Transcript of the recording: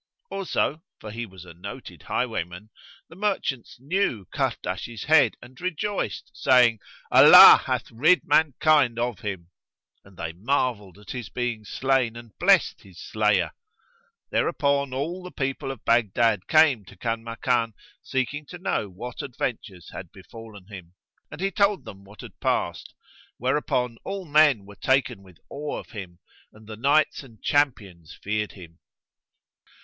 Also (for he was a noted highwayman) the merchants knew Kahrdash's head and rejoiced, saying, "Allah hath rid mankind of him!"; and they marvelled at his being slain and blessed his slayer. Thereupon all the people of Baghdad came to Kanmakan, seeking to know what adventures had befallen him, and he told them what had passed, whereupon all men were taken with awe of him and the Knights and champions feared him.